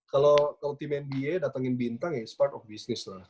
kalau tim nba datangin bintang ya it s part of business lah